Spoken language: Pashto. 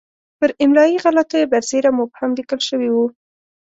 پر املایي غلطیو برسېره مبهم لیکل شوی وو.